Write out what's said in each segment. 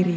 langkah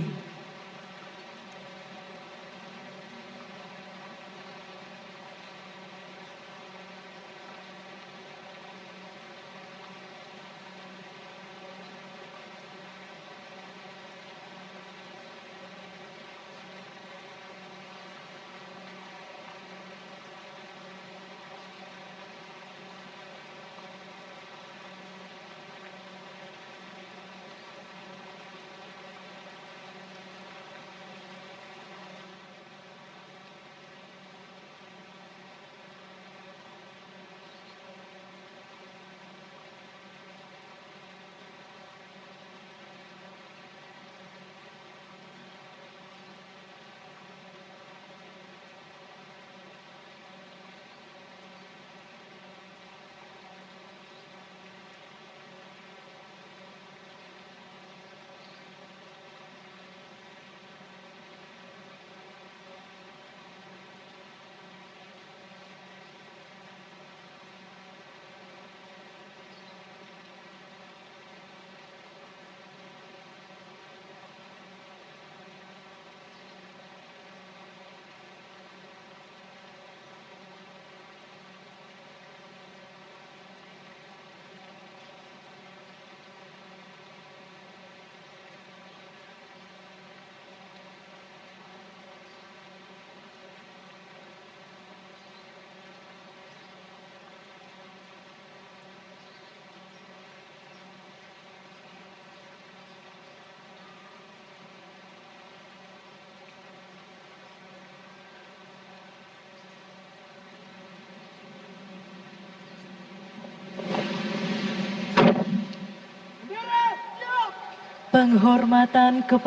bergab maju